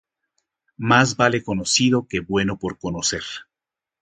Mas vale malo conocido que bueno por conocer